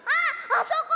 あそこ！